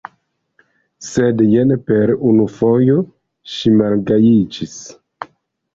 Sed jen per unu fojo ŝi malgajiĝis.